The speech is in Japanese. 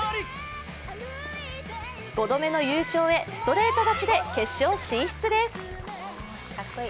５度目の優勝へストレート勝ちで決勝進出です。